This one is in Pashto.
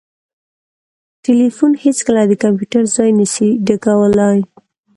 ټلیفون هیڅکله د کمپیوټر ځای نسي ډکولای